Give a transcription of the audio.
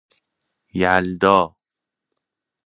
یلدا